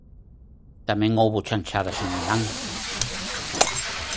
Tamén houbo chanchadas en Milán.